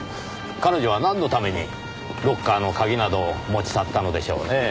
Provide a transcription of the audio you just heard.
彼女はなんのためにロッカーの鍵などを持ち去ったのでしょうねぇ。